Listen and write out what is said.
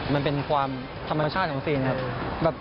มันเป็นความธรรมชาติของซีนครับ